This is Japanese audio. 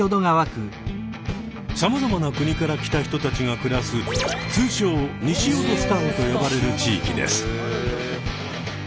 さまざまな国から来た人たちが暮らす通称ニシヨドスタンと呼ばれる地域です。